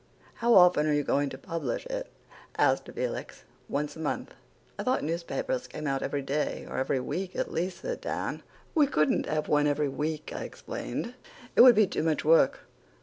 "How often are you going to publish it?" asked Felix. "Once a month." "I thought newspapers came out every day, or every week at least," said Dan. "We couldn't have one every week," I explained. "It would be too much work."